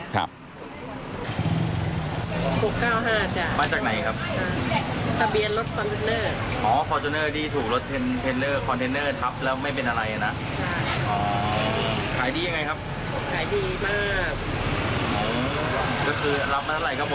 อ๋อแล้วมีอีกเลขไหมครับ